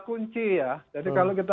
kunci ya jadi kalau kita